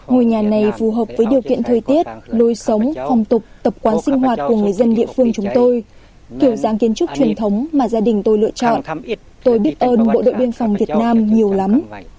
ngôi nhà này phù hợp với điều kiện thời tiết lối sống phòng tục tập quán sinh hoạt của người dân địa phương chúng tôi kiểu dáng kiến trúc truyền thống mà gia đình tôi lựa chọn tôi biết ơn bộ đội biên phòng việt nam nhiều lắm